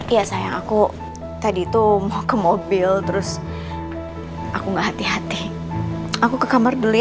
iya sayang aku tadi tuh mau ke mobil terus aku gak hati hati aku ke kamar dulu ya